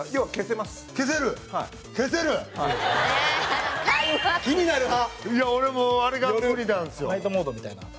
松橋：ナイトモードみたいな。